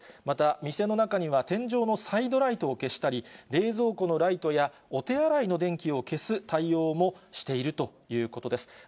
また、店の中には天井のサイドライトを消したり、冷蔵庫のライトやお手洗いの電気を消す対応もしているということです。